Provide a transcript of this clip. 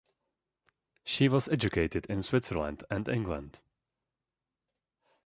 She was educated in Switzerland and England.